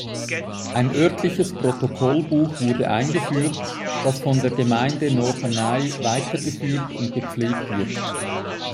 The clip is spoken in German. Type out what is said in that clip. Ein örtliches Protokollbuch wurde eingeführt, das von der Gemeinde Norderney weitergeführt und gepflegt wird.